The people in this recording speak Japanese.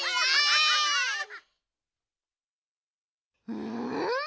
うん？